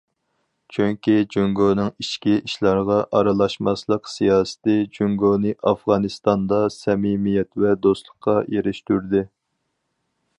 چۈنكى جۇڭگونىڭ ئىچكى ئىشلارغا ئارىلاشماسلىق سىياسىتى جۇڭگونى ئافغانىستاندا سەمىمىيەت ۋە دوستلۇققا ئېرىشتۈردى.